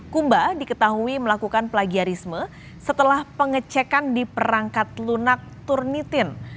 kumba diketahui melakukan plagiarisme setelah pengecekan di perangkat lunak turnitin